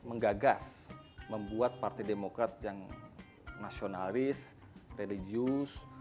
menggagas membuat partai demokrat yang nasionalis religius